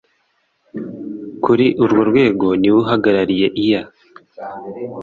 kuri urwo rwego ni we uhagarariye ear